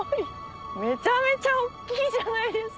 めちゃめちゃ大っきいじゃないですか。